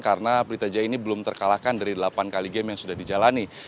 karena pelita jaya ini belum terkalahkan dari delapan kali game yang sudah dijalani